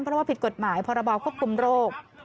เพราะว่าผิดกฎหมายพรบควบคุมโรค